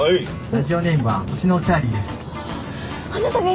ラジオネームは「ホシノチャーリー」です